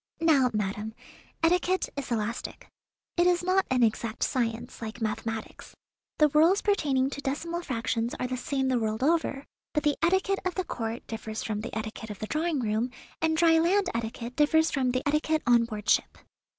Now, madam, etiquette is elastic. It is not an exact science, like mathematics. The rules pertaining to decimal fractions are the same the world over, but the etiquette of the Court differs from the etiquette of the drawing room, and dry land etiquette differs from the etiquette on board ship."